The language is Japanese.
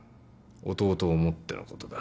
弟を思ってのことだ。